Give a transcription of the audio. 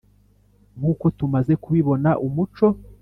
Nk’uko tumaze kubibona umuco